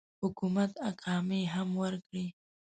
حکومت اقامې هم ورکړي.